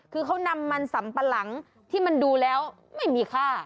คือเขานำมันสัมปะหลังที่มันดูแล้วไม่มีค่า